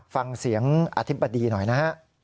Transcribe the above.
ฟังเสียงอธิบดีหน่อยนะฮะ